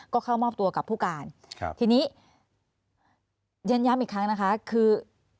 ก็เข้ามอบตัวกับผู้การครับทีนี้เรียนย้ำอีกครั้งนะคะคือ